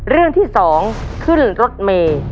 เรื่องที่๒ขึ้นรถเมย์